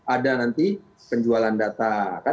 ada nanti penjualan data